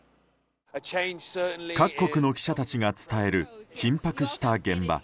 各国の記者たちが伝える緊迫した現場。